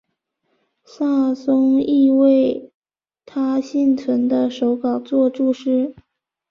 萨松亦为他幸存的手稿作注释。